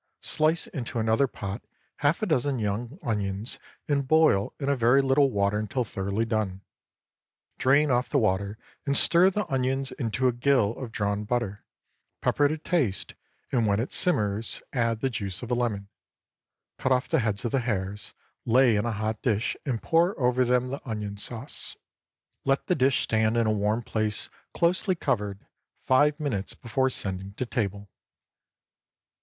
Slice into another pot half a dozen young onions, and boil in a very little water until thoroughly done. Drain off the water, and stir the onions into a gill of drawn butter, pepper to taste, and when it simmers, add the juice of a lemon. Cut off the heads of the hares, lay in a hot dish and pour over them the onion sauce. Let the dish stand in a warm place, closely covered, five minutes before sending to table.